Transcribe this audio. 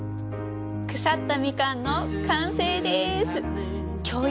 腐ったみかんの完成です！